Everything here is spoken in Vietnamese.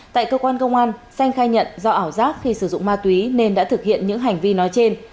tại cơ quan công an xanh khai nhận do ảo giác khi sử dụng ma túy nên đã thực hiện những hành vi nói trên